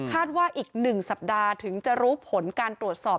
ว่าอีก๑สัปดาห์ถึงจะรู้ผลการตรวจสอบ